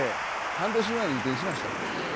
半年前に移転しました。